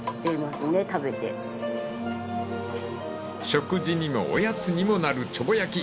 ［食事にもおやつにもなるちょぼ焼き］